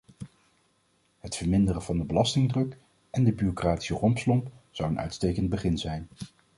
Het verminderen van de belastingdruk en de bureaucratische rompslomp zou een uitstekend begin zijn.